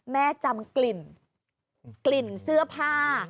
แม่จำกลิ่นกลิ่นเสื้อผ้า